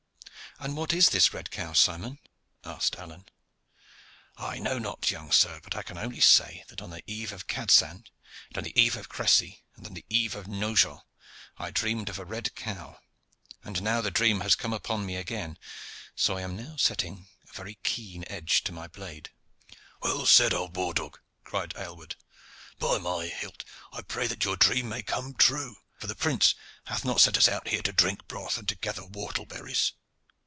"And what is this red cow, Simon?" asked Alleyne. "I know not, young sir; but I can only say that on the eve of Cadsand, and on the eve of Crecy, and on the eve of Nogent, I dreamed of a red cow; and now the dream has come upon me again, so I am now setting a very keen edge to my blade." "Well said, old war dog!" cried Aylward. "By my hilt! I pray that your dream may come true, for the prince hath not set us out here to drink broth or to gather whortle berries.